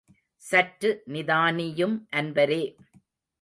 சற்று நிதானியும் அன்பரே.